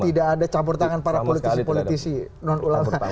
tidak ada campur tangan para politisi politisi non ulama